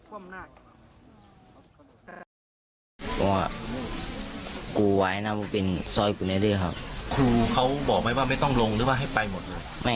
โอ้โหคุณผู้ชมค่ะ